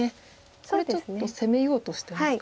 これちょっと攻めようとしてますか？